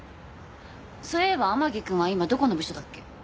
そういえば天樹くんは今どこの部署だっけ？